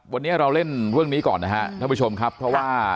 วันนี้เราเล่นเรื่องนี้ก่อนนะครับท่านผู้ชมครับเพราะว่า